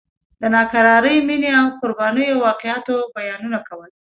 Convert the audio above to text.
د ناکرارې مینې او قربانیو واقعاتو بیانونه کول.